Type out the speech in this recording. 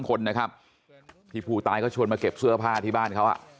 คนนะครับที่ผู้ตายเขาชวนมาเก็บเสื้อผ้าที่บ้านเขา